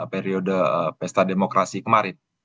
dan perkembangannya sejalan dengan suksesnya pesta demokrasi kemarin